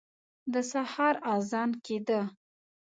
د سهار اذان کېده.